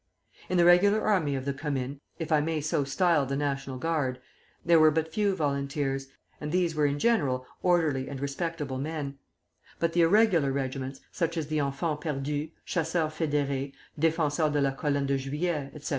"In the regular army of the Commune (if I may so style the National Guard) there were but few volunteers, and these were in general orderly and respectable men; but the irregular regiments, such as the Enfants Perdus, Chasseurs Fédérés, Défenseurs de la Colonne de Juillet, etc.